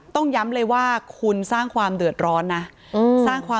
ต้องย้ำเลยว่าคุณสร้างความเดือดร้อนนะ